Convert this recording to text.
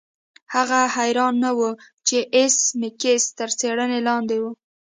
هغه حیران نه و چې ایس میکس تر څیړنې لاندې و